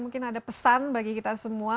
mungkin ada pesan bagi kita semua